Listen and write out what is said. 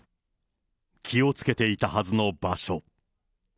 気をつけていたはずの場所。